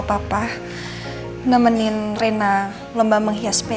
tunggu dulu mak ci